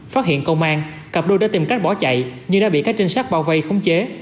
phát hiện công an cặp đôi đã tìm cách bỏ chạy nhưng đã bị các trinh sát bao vây khống chế